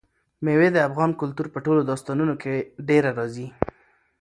مېوې د افغان کلتور په ټولو داستانونو کې ډېره راځي.